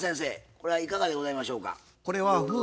これはいかがでございましょうか？